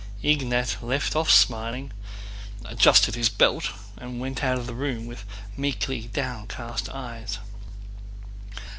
Ignát left off smiling, adjusted his belt, and went out of the room with meekly downcast eyes.